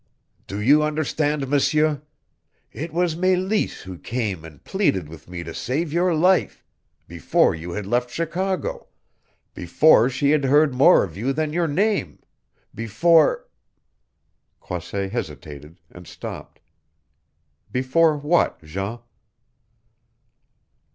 Do you understand, M'seur? It was Meleese who came and pleaded with me to save your life before you had left Chicago, before she had heard more of you than your name, before " Croisset hesitated, and stopped. "Before what, Jean?"